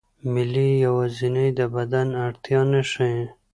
میل یوازې د بدن اړتیا نه ښيي.